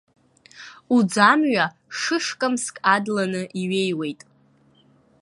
Уӡамҩа шышкамск адланы иҩеиуеит!